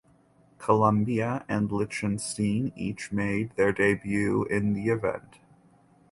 Colombia and Liechtenstein each made their debut in the event.